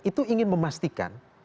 itu ingin memastikan